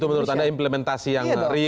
itu menurut anda implementasi yang real begitu ya